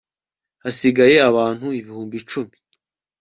hasigara abantu ibihumbi cumi